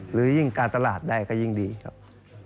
หรือยิ่งการตลาดใดก็ยิ่งดีครับ